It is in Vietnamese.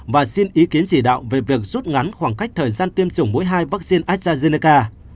và xin ý kiến chỉ đạo về việc rút ngắn khoảng cách thời gian tiêm chủng mũi hai vaccine astrazeneca